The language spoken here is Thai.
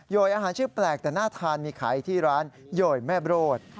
อาหารชื่อแปลกแต่น่าทานมีขายที่ร้านโยยแม่โรด